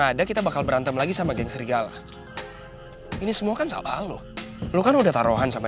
ada kita bakal berantem lagi sama geng serigala ini semua kan salah lo kan udah taruhan sama